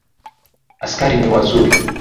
Askari ni wazuri.